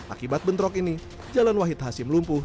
akibat bentrok ini jalan wahid hasim lumpuh